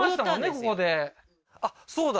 ここであっそうだ